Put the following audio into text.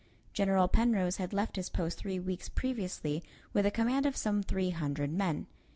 General Penrose had left his post three weeks previously with a command of some three hundred men.